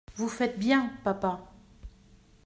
Vous faites bien, papa.